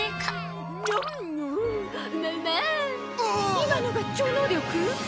今のが超能力？